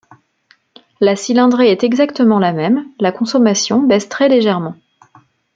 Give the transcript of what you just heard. La cylindrée est exactement la même, la consommation baisse très légèrement.